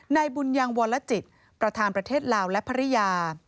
นายบุญยังวรจิตประธานประเทศลาวและภรรยา